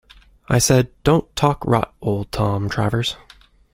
I said, 'Don't talk rot, old Tom Travers.'